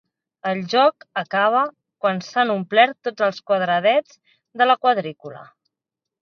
El joc acaba quan s'han omplert tots els quadradets de la quadrícula.